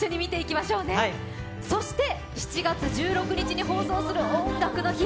そして、７月１６日放送の「音楽の日」